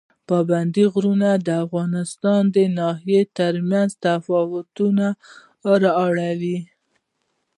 پابندي غرونه د افغانستان د ناحیو ترمنځ تفاوتونه راولي.